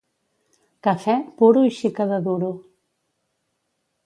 Café, puro i xica de duro.